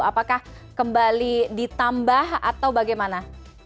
apakah kembali ditambah atau bagaimana